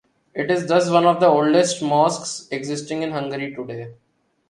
It is thus one of the oldest mosques existing in Hungary today.